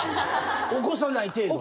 起こさない程度に。